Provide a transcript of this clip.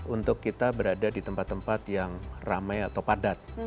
untuk kita berada di tempat tempat yang ramai atau padat